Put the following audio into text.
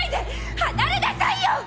離れなさいよ！